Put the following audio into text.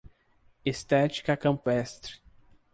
Estética campestre